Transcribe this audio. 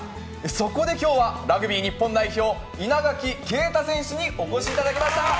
そこできょうは、ラグビー日本代表、稲垣啓太選手にお越しいただきました。